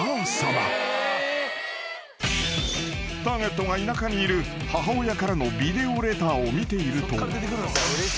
［ターゲットが田舎にいる母親からのビデオレターを見ていると］